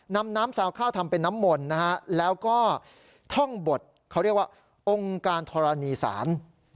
น้ำซาวข้าวทำเป็นน้ำมนต์แล้วก็ท่องบทเขาเรียกว่าองค์การธรณีศาล